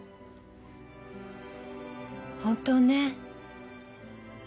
本当ね。